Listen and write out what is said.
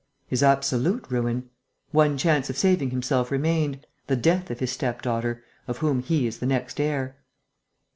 "His absolute ruin. One chance of saving himself remained, the death of his step daughter, of whom he is the next heir."